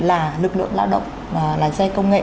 là lực lượng lao động lái xe công nghệ